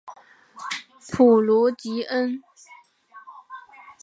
普卢吉恩。